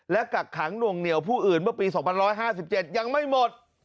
และกักขังหน่วงเหนียวผู้อื่นเมื่อปี๒๕๗ยังไม่หมด